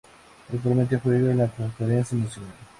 Actualmente juega en la Conference National.